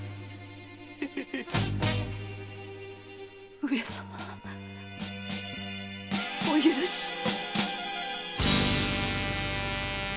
上様お許しを。